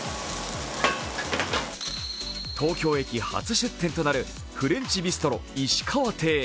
東京駅初出店となるフレンチビストロ石川亭。